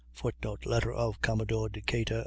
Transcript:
[Footnote: Letter of Commodore Decatur.